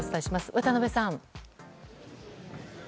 渡邊さん。